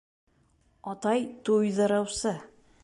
Атай туйҙырыусы.